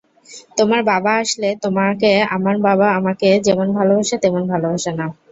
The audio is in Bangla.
তোমার বাবা আসলে তোমাকে আমার বাবা আমাকে যেমন ভালোবাসে তেমন ভালোবাসে না।